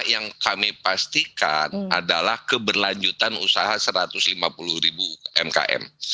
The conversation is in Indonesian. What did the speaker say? yang kami pastikan adalah keberlanjutan usaha satu ratus lima puluh ribu umkm